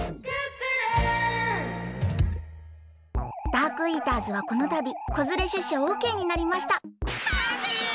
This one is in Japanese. ダークイーターズはこのたびこづれしゅっしゃオッケーになりましたハングリー！